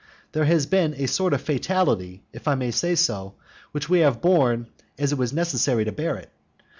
There has been a sort of fatality, if I may say so, which we have borne as it was necessary to bear it.